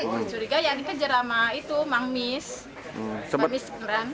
ya curiga yang dikejar sama itu mangmis